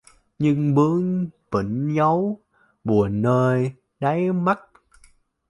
Nhưng bướng bỉnh giấu buồn nơi đáy mắt